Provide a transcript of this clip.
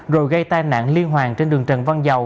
rồi gây tai nạn liên hoàn trên đường trần văn dầu